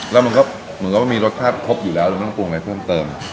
แล้วมันก็มันก็มีรสชาติครบอยู่แล้วเราต้องปรุงในเพิ่มเติม